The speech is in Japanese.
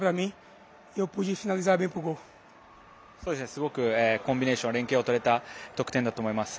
すごくコンビネーション連係が取れた得点だと思います。